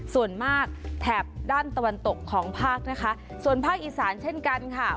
ส่วนมากแถบด้านตะวันตกของภาคนะคะส่วนภาคอีสานเช่นกันค่ะ